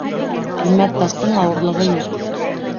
Ҡиммәт таштың ауырлығы юҡ.